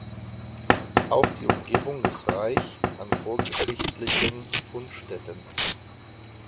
Auch die Umgebung ist reich an vorgeschichtlichen Fundstätten.